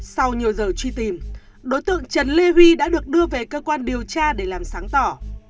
sau nhiều giờ truy tìm đối tượng trần lê huy đã được đưa về cơ quan điều tra để làm sáng tỏ